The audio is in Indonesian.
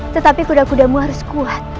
tetapi kuda kudamu harus kuat